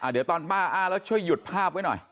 เดี๋ยวตอนป้าอ้างแล้วช่วยหยุดภาพไว้หน่อย